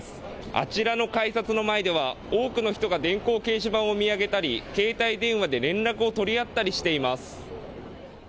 あちらの改札の前では多くの人が電光掲示板を見上げたり携帯電話で連絡を取り合ったりしています。